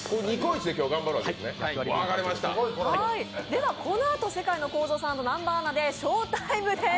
では、このあと世界のこーぞーさんと南波アナでショータイムです。